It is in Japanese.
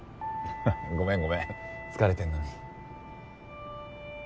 ごめんごめん疲れてんのに。